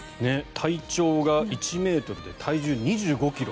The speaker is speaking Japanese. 体長が１ｍで体重２５ｋｇ。